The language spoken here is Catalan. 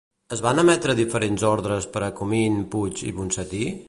Es van emetre diferents ordres per a Comín, Puig i Ponsatí?